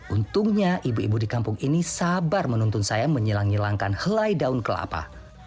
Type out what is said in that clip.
untungnya ibu ibu di kampung ini sabar menuntun saya menyilang nyelangkan helai daun kelapa